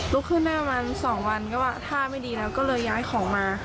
ขึ้นได้ประมาณ๒วันก็ว่าท่าไม่ดีแล้วก็เลยย้ายของมา